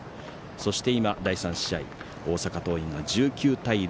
そして今、第３試合、大阪桐蔭が１９対０。